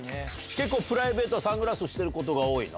結構プライベートはサングラスをしてることが多いの？